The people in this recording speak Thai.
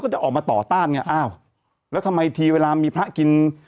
จะออกมาต่อต้านไงอ้าวแล้วทำไมทีเวลามีพระกิน